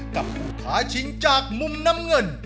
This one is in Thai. กับผู้ท้าชิงจากมุมน้ำเงิน